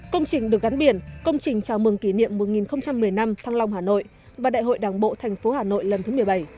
công trình được gắn biển công trình chào mừng kỷ niệm một nghìn một mươi năm thăng long hà nội và đại hội đảng bộ thành phố hà nội lần thứ một mươi bảy